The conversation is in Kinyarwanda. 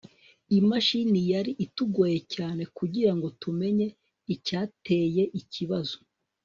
imashini yari itugoye cyane kugirango tumenye icyateye ikibazo